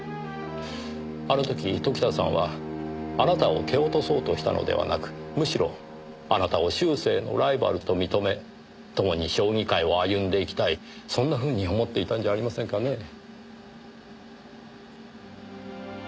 あの時時田さんはあなたを蹴落とそうとしたのではなくむしろあなたを終生のライバルと認めともに将棋界を歩んでいきたいそんなふうに思っていたんじゃありませんかねぇ。